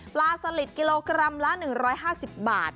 สลิดกิโลกรัมละ๑๕๐บาท